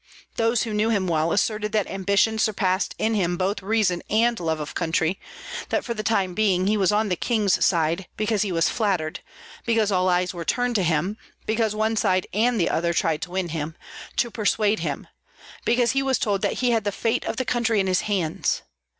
Those who knew him well asserted that ambition surpassed in him both reason and love of country; that for the time being he was on the king's side because he was flattered, because all eyes were turned to him, because one side and the other tried to win him, to persuade him, because he was told that he had the fate of the country in his hands.